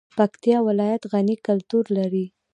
پکتیا ولایت غني کلتور لري